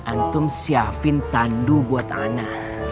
antum syafin tandu buat ana